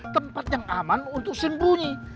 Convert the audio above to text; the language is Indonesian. tempat yang aman untuk sembunyi